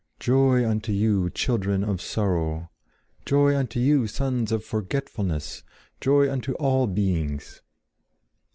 Joy unto you, children of sorrow! Joy unto you, sons of forgetfulness! Joy unto all beings!"